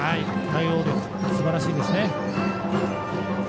対応力すばらしいです。